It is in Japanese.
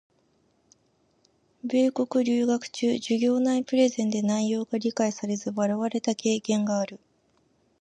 米国留学中、授業内プレゼンで内容が理解されず笑われた経験がある。